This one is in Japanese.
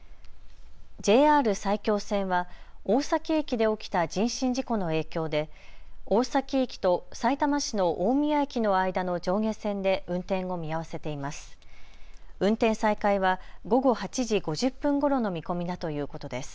ＪＲ埼京線は大崎駅で起きた人身事故の影響で大崎駅とさいたま市の大宮駅の間の上下線で運転を見合わせています。